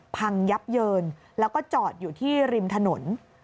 พังยับเยินแล้วก็จอดอยู่ที่ริมถนน